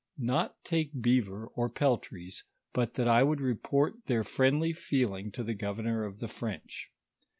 146 not tuko beavor oi* peltries ; but that I would report their friendly fooling to tho governor of tho French.